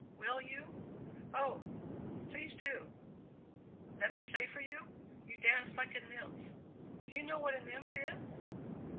"Will you oh! please do let me play for you? You dance like a nymph. Do you know what a nymph is?"